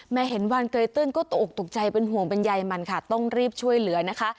เห็นวานเกยตื้นก็ตกอกตกใจเป็นห่วงเป็นใยมันค่ะต้องรีบช่วยเหลือนะคะ